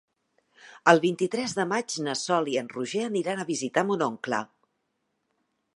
El vint-i-tres de maig na Sol i en Roger aniran a visitar mon oncle.